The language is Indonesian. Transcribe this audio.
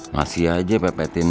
masih aja pepetin